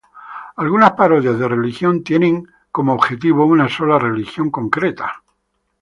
Algunas parodias de religión tienen como objetivo una sola religión concreta.